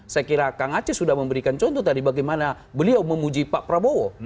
saya kira kang aceh sudah memberikan contoh tadi bagaimana beliau memuji pak prabowo